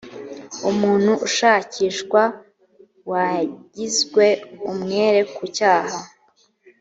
umuntu ushakishwa wagizwe umwere ku cyaha